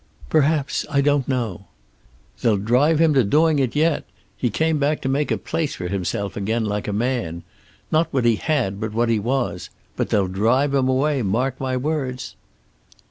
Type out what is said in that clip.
"Perhaps. I don't know." "They'll drive him to doing it yet. He came back to make a place for himself again, like a man. Not what he had, but what he was. But they'll drive him away, mark my words."